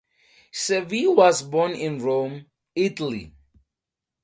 Cervi was born in Rome, Italy.